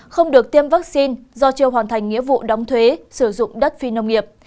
không được tiêm vaccine do chưa hoàn thành nghĩa vụ đóng thuế sử dụng đất phi nông nghiệp